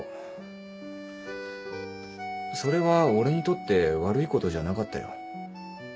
それは俺にとって悪いことじゃなかったよ。